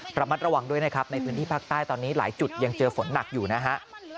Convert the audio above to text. ระมัดระวังด้วยนะครับในพื้นที่ภาคใต้ตอนนี้หลายจุดยังเจอฝนหนักอยู่นะฮะ